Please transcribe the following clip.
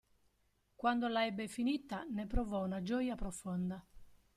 Quando la ebbe finita ne provò una gioia profonda.